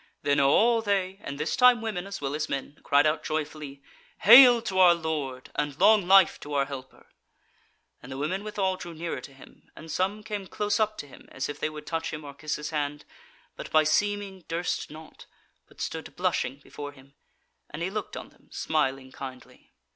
Then all they (and this time women as well as men) cried out joyfully: "Hail to our lord! and long life to our helper." And the women withal drew nearer to him, and some came close up to him, as if they would touch him or kiss his hand, but by seeming durst not, but stood blushing before him, and he looked on them, smiling kindly.